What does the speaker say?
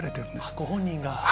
ご本人が。